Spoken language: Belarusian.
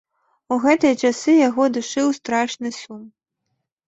У гэтыя часы яго душыў страшны сум.